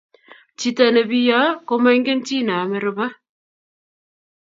Chito nebiyo komaingen chi name ruba